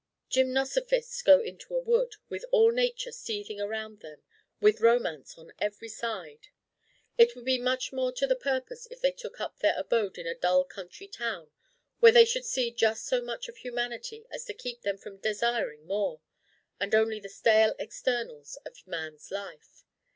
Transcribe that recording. Gymnosophists go into a wood, with all nature seething around them, with romance on every side; it would be much more to the purpose if they took up their abode in a dull country town, where they should see just so much of humanity as to keep them from desiring more, and only the stale externals of man's life.